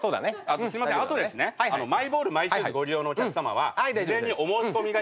すいませんあとですねマイボールマイシューズご利用のお客さまは事前にお申し込みが必要。